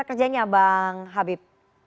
apa kerjanya bang habib